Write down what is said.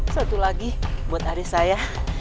satu lagi buat adik saya